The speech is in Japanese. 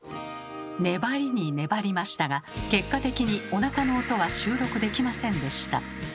粘りに粘りましたが結果的におなかの音は収録できませんでした。